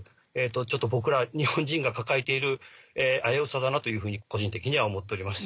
ちょっと僕ら日本人が抱えている危うさだなというふうに個人的には思っております。